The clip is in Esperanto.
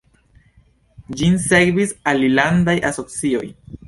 Ĝin sekvis alilandaj asocioj.